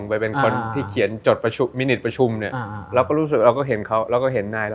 ไปเป็นคนที่เขียนจดมินิตรประชุมเนี่ยเราก็รู้สึกเราเห็นเขาแล้วเราเห็นนาย